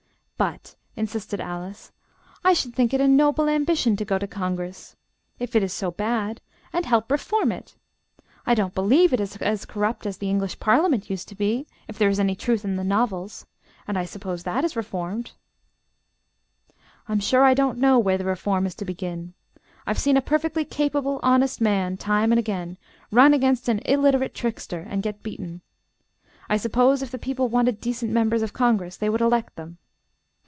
"But," insisted Alice, "I should think it a noble ambition to go to congress, if it is so bad, and help reform it. I don't believe it is as corrupt as the English parliament used to be, if there is any truth in the novels, and I suppose that is reformed." "I'm sure I don't know where the reform is to begin. I've seen a perfectly capable, honest man, time and again, run against an illiterate trickster, and get beaten. I suppose if the people wanted decent members of congress they would elect them.